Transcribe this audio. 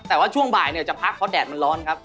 แต่ว่าช่วงบ่ายเนี่ยจะพักเพราะแดดมันร้อนครับ